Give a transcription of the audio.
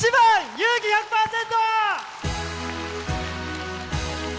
「勇気１００％」。